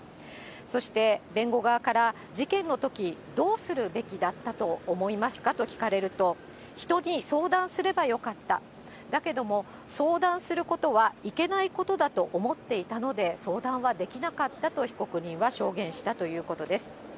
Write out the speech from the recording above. そして弁護側から、事件のとき、どうするべきだったと思いますかと聞かれると、人に相談すればよかった、だけども、相談することはいけないことだと思っていたので、相談はできなかったと被告人は証言したということです。